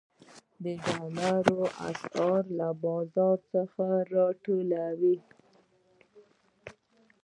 ډالر د اسعارو له بازار څخه ټولوي.